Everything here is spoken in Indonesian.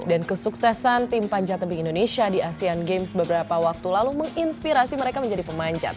dan kesuksesan tim panjat tebing indonesia di asean games beberapa waktu lalu menginspirasi mereka menjadi pemanjat